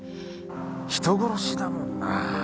人殺しだもんなぁ。